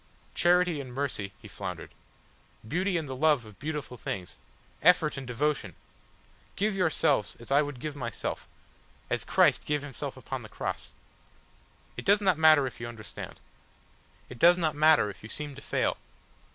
"Charity and mercy," he floundered; "beauty and the love of beautiful things effort and devotion! Give yourselves as I would give myself as Christ gave Himself upon the Cross. It does not matter if you understand. It does not matter if you seem to fail.